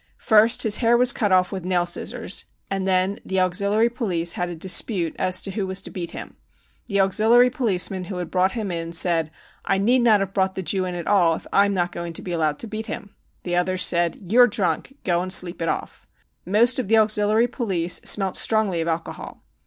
First his hair was cut off with nail scissors, and then the auxiliary police had a dispute as to who was to beat him. The auxiliary policeman who had brought him in said, c I need not have brought the Jew in at all if I am not going to be allowed to beat him. 9 The others said, fi You are drunk ! Go and sleep it off. 9 Most of the auxiliary police smelt strongly of alcohol.